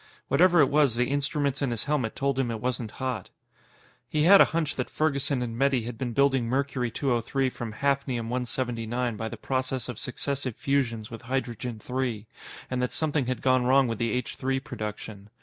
Whatever it was, the instruments in his helmet told him it wasn't hot. He had a hunch that Ferguson and Metty had been building Mercury 203 from Hafnium 179 by the process of successive fusions with Hydrogen 3 and that something had gone wrong with the H 3 production.